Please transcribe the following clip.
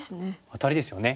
アタリですよね。